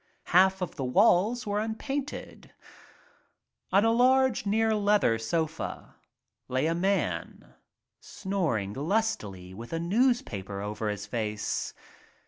Half of the walls were unpainted. On a large near leather sofa lay a man, snoring lustily with a newspaper over his face.